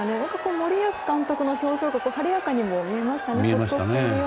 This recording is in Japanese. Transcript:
森保監督の表情が晴れやかにも見えましたね。